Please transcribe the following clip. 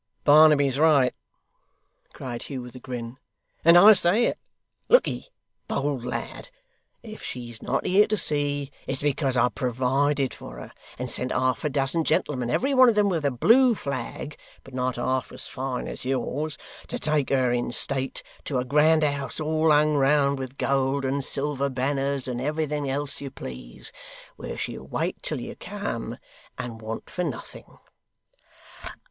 'Barnaby's right,' cried Hugh with a grin, 'and I say it. Lookee, bold lad. If she's not here to see, it's because I've provided for her, and sent half a dozen gentlemen, every one of 'em with a blue flag (but not half as fine as yours), to take her, in state, to a grand house all hung round with gold and silver banners, and everything else you please, where she'll wait till you come, and want for nothing.